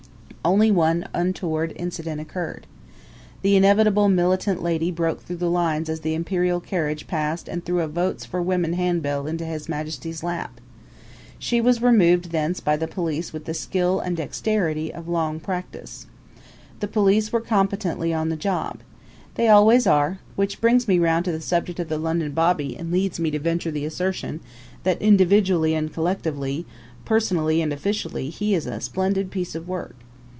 Only one untoward incident occurred: The inevitable militant lady broke through the lines as the imperial carriage passed and threw a Votes for Women handbill into His Majesty's lap. She was removed thence by the police with the skill and dexterity of long practice. The police were competently on the job. They always are which brings me round to the subject of the London bobby and leads me to venture the assertion that individually and collectively, personally and officially, he is a splendid piece of work.